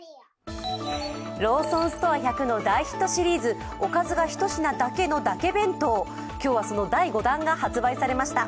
ローソンストア１００の大ヒットシリーズ、おかずが１品だけのだけ弁当、今日はその第５弾が発売されました。